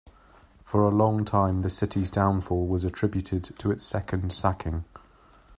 For a long time, the city's downfall was attributed to its second sacking.